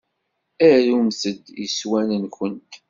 Arumt-d iswan-nwent.